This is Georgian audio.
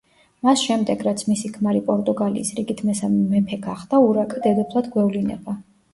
მას შემდეგ, რაც მისი ქმარი პორტუგალიის რიგით მესამე მეფე გახდა, ურაკა დედოფლად გვევლინება.